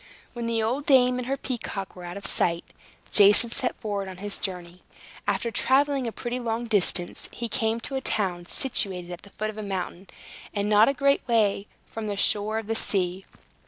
When the old dame and her peacock were out of sight, Jason set forward on his journey. After traveling a pretty long distance, he came to a town situated at the foot of a mountain, and not a great way from the shore of the sea.